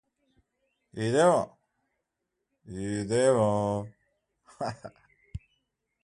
The chemicals below have a varying degree of entactogenic effects.